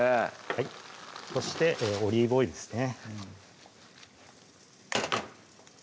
はいそしてオリーブオイルですね